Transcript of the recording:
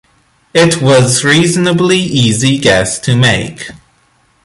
It was a reasonably easy guess to make.